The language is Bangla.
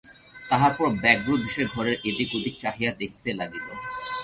তাহার পর ব্যগ্রদৃষ্টিতে ঘরের এদিক-ওদিক চাহিয়া দেখিতে লাগিল।